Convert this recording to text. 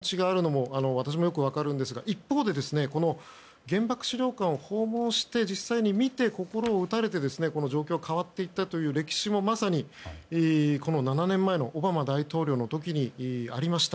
ただ、見たって変わらないよねと単に見ただけじゃないかという気持ちがあるのも私もよく分かりますが一方で、原爆資料館を訪問して、実際に見て心を打たれてこの状況が変わっていったという歴史もまさに、７年前のオバマ大統領の時にありました。